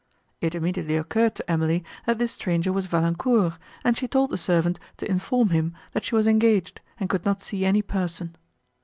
It immediately occurred to Emily, that this stranger was Valancourt, and she told the servant to inform him, that she was engaged, and could not see any person.